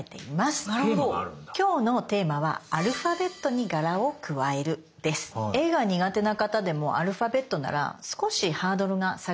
今日のテーマは絵が苦手な方でもアルファベットなら少しハードルが下がりますよね。